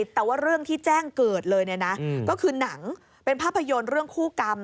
แต่ว่าเรื่องที่แจ้งเกิดเลยเนี่ยนะก็คือหนังเป็นภาพยนตร์เรื่องคู่กรรม